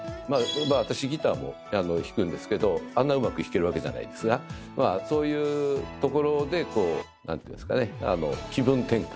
私ギターも弾くんですけどあんなうまく弾けるわけじゃないですがまあそういうところでこう何ていうんですかね気分転換。